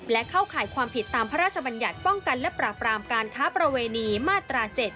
และเข้าข่ายความผิดตามพระราชบัญญัติป้องกันและปราบรามการค้าประเวณีมาตรา๗